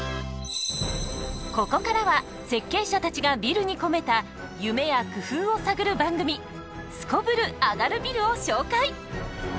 ここからは設計者たちがビルに込めた夢や工夫を探る番組「すこぶるアガるビル」を紹介。